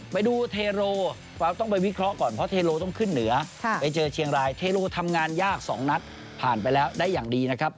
ไปดูเทโรเราต้องไปวิเคราะห์ก่อนเพราะเทโลต้องขึ้นเหนือไปเจอเชียงรายเทโลทำงานยาก๒นัดผ่านไปแล้วได้อย่างดีนะครับ